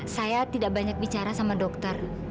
saya tidak banyak bicara sama dokter